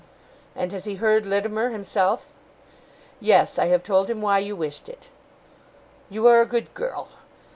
'And has he heard Littimer himself?' 'Yes; I have told him why you wished it.' 'You are a good girl.